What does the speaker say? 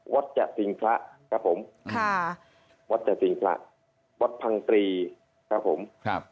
จะสิงพระครับผมค่ะวัดจสิงพระวัดพังตรีครับผมครับ